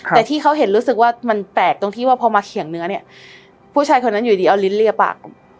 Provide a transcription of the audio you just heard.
แต่ที่เขาเห็นรู้สึกว่ามันแปลกตรงที่ว่าพอมาเขียงเนื้อเนี่ยผู้ชายคนนั้นอยู่ดีเอาลิ้นเรียบปาก